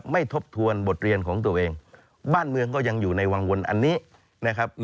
ทบทวนบทเรียนของตัวเองบ้านเมืองก็ยังอยู่ในวังวลอันนี้นะครับ